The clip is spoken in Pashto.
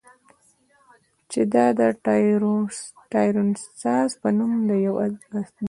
چې دا د ټایروسیناز په نوم د یوه داسې